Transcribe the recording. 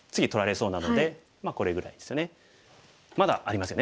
まだありますよね